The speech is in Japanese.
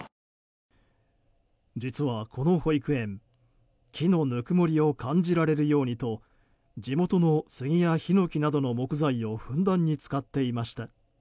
実はこの保育園、木のぬくもりを感じられるようにと地元のスギやヒノキなどの木材をふんだんに使っていました。